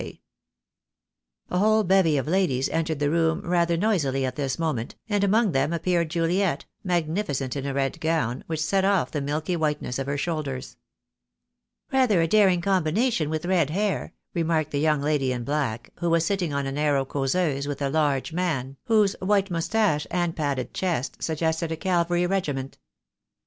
THE DAY WILL COME. I 1 A whole bevy of ladies entered the room rather noisily at this moment, and among them appeared Juliet, magnificent in a red gown, which set off the milky white ness of her shoulders. "Rather a daring combination with red hair," re marked the young lady in black, who was sitting on a narrow causeuse with a large man, whose white moustache and padded chest suggested a cavalry regiment.